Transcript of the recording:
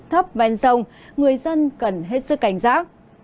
thấp ven sông người dân cần hết sức cảnh giác